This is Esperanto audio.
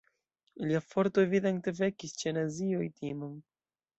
Lia forto evidente vekis ĉe nazioj timon.